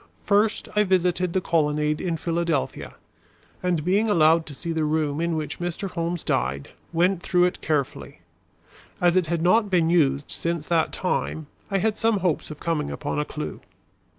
First, I visited the Colonnade in Philadelphia, and being allowed to see the room in which Mr. Holmes died, went through it carefully. As it had not been used since that time I had some hopes of coming upon a clue.